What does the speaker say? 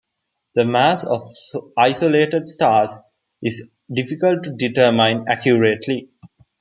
The mass of isolated stars is difficult to determine accurately.